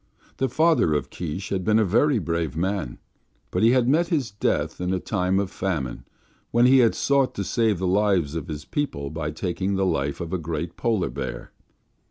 The father of Keesh had been a very brave man, but he had met his death in a time of famine, when he sought to save the lives of his people by taking the life of a great polar bear.